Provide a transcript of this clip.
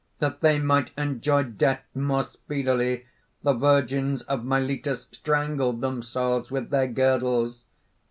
That they might enjoy death more speedily, the virgins of Miletus strangled themselves with their girdles.